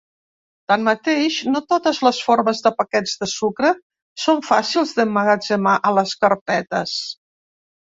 Tanmateix, no totes les formes de paquets de sucre són fàcils d'emmagatzemar a les carpetes.